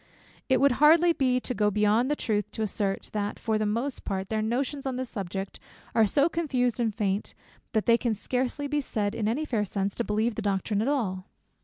It would hardly be to go beyond the truth to assert, that for the most part their notions on this subject are so confused and faint, that they can scarcely be said in any fair sense to believe the doctrine at all.